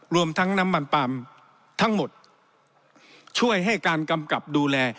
รวมทั้งน้ำมันปาล์มทั้งหมดช่วยให้การกำกับดูแล